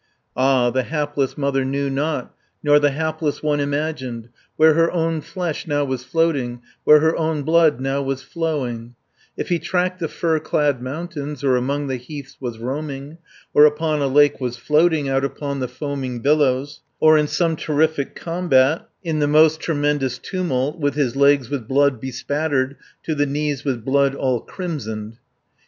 Ah, the hapless mother knew not, Nor the hapless one imagined, Where her own flesh now was floating, Where her own blood now was flowing; 10 If he tracked the fir clad mountains, Or among the heaths was roaming, Or upon a lake was floating, Out upon the foaming billows, Or in some terrific combat, In the most tremendous tumult, With his legs with blood bespattered, To the knees with blood all crimsoned.